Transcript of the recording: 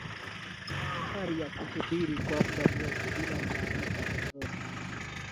hali ya kusubiri kwa mda mrefu bila taarifa zozote